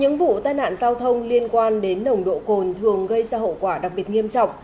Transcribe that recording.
những vụ tai nạn giao thông liên quan đến nồng độ cồn thường gây ra hậu quả đặc biệt nghiêm trọng